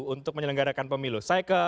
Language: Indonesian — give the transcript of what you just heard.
untuk menyelenggarakan pemilu saya ke